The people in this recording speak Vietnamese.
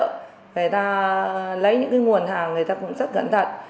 người ta lấy những nguồn hàng người ta cũng rất cẩn thận